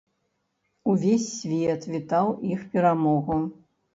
Увесь свет вітаў іх перамогу.